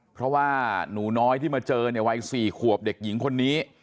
เพราะว่าหนูน้อยที่มาเจอเนี่ยวัย๔ขวบเด็กหญิงคนนี้